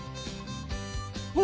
ほら